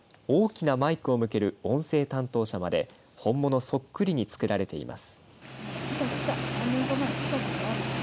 大きなマイクを向ける音声担当者まで本物そっくりに作られています。